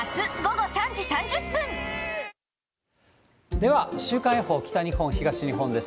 では、週間予報、北日本、東日本です。